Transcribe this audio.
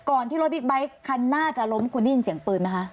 ที่รถบิ๊กไบท์คันหน้าจะล้มคุณได้ยินเสียงปืนไหมคะ